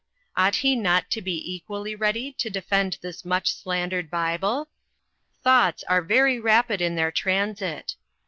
Ought he not to be equally ready to de fend this much slandered Bible ? Thoughts are very rapid in their transit.